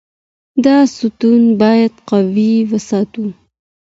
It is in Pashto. دا ستون باید قوي وساتو.